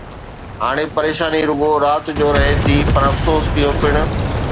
هاڻي پريشاني رڳو رات جو رهي ٿي، پر افسوس، اهو پڻ